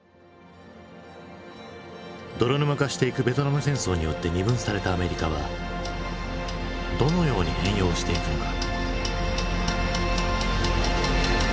泥沼化していくベトナム戦争によって二分されたアメリカはどのように変容していくのか？